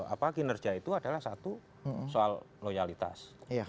apa kinerja itu adalah satu soal loyalitas